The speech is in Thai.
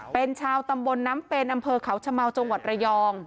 เป็นชาวตำบลน้ำเป็นอำเภอเขาชะเมาจังหวัดระยอง